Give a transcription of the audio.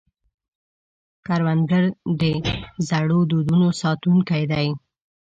کروندګر د زړو دودونو ساتونکی دی